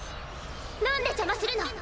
なんで邪魔するの？